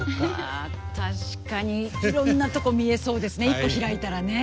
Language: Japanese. あ確かにいろんなとこ見えそうですね一個開いたらね。